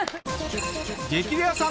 『激レアさん』